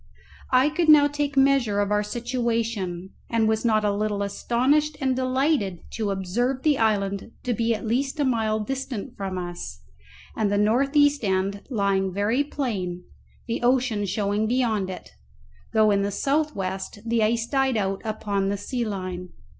I could now take measure of our situation, and was not a little astonished and delighted to observe the island to be at least a mile distant from us, and the north east end lying very plain, the ocean showing beyond it, though in the south west the ice died out upon the sea line.